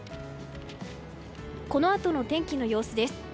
このあとの天気の様子です。